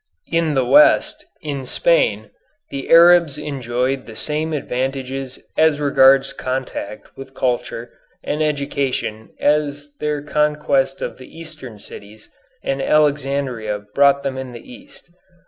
In the West, in Spain, the Arabs enjoyed the same advantages as regards contact with culture and education as their conquest of the Eastern cities and Alexandria brought them in the East.